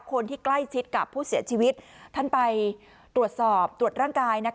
คนที่ใกล้ชิดกับผู้เสียชีวิตท่านไปตรวจสอบตรวจร่างกาย